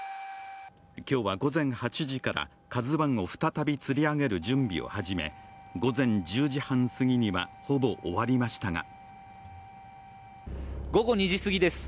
今日は午前８時から「ＫＡＺＵⅠ」を再びつり上げる作業が行われ、午前１０時半すぎにはほぼ終わりましたが午後２時過ぎです。